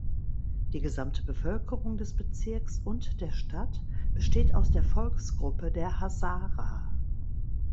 Die gesamte Bevölkerung des Bezirks und der Stadt besteht aus der Volksgruppe der Hazara.